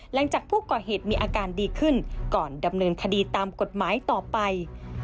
หลังจากผู้ก่อเหตุมีอาการดีขึ้นก่อนดำเนินคดีตามกฎหมายต่อไป